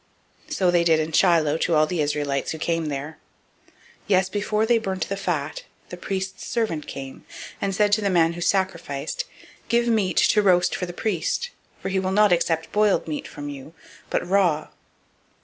So they did in Shiloh to all the Israelites who came there. 002:015 Yes, before they burnt the fat, the priest's servant came, and said to the man who sacrificed, Give flesh to roast for the priest; for he will not have boiled flesh of you, but raw.